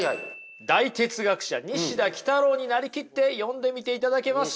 大哲学者西田幾多郎になりきって読んでみていただけますか。